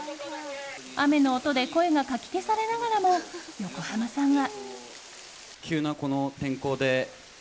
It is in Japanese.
雨の音で声がかき消されながらも横浜さんは。